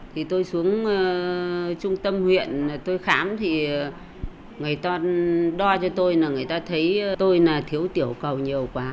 thì tôi xuống trung tâm huyện tôi khám thì người ta đo cho tôi là người ta thấy tôi là thiếu tiểu cầu nhiều quá